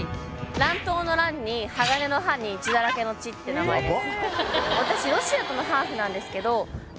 乱闘の「乱」に刃金の「刃」に血だらけの「血」って名前です。